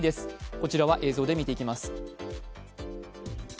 こちらは映像で見ていきます。